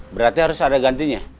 berarti harus ada gantinya